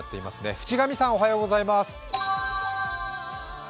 渕上さん、おはようございます。